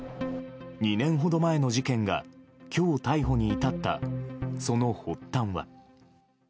２年ほど前の事件が今日、逮捕に至ったその発端は。